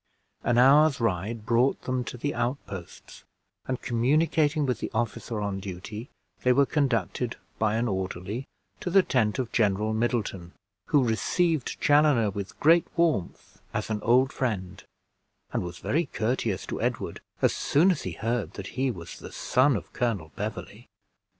An hour's ride brought them to the outposts; and communicating with the officer on duty, they were conducted by an orderly to the tent of General Middleton, who received Chaloner with great warmth as an old friend, and was very courteous to Edward as soon as he heard that he was the son of Colonel Beverley.